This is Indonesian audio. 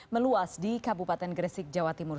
meluas di kabupaten gresik jawa timur